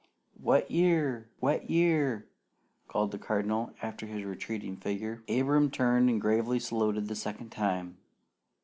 "Wet year! Wet year!" called the Cardinal after his retreating figure. Abram turned and gravely saluted the second time.